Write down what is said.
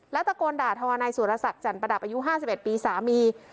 แล้วตะโกนด่าทวานายสุรสักจันประดับอายุ๕๑ปีสามี